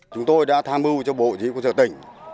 chúng tôi đã tham mưu cho bộ chỉ huy quân sự tỉnh